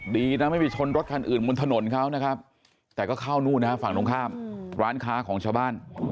ดีนะไม่ไปชนรถคันอื่นบนถนนเขานะครับแต่ก็เข้านู่นนะฮะฝั่งตรงข้ามร้านค้าของชาวบ้าน